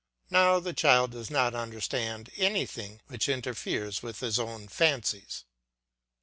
Now the child does not understand anything which interferes with his own fancies.